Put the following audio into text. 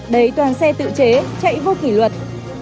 đấy toàn xe tự chế chạy vô kỷ luật